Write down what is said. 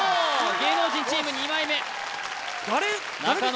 芸能人チーム２枚目誰？